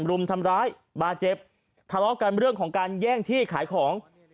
รุมทำร้ายบาดเจ็บทะเลาะกันเรื่องของการแย่งที่ขายของ